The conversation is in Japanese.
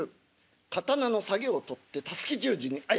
刀の下げを取ってたすき十字に。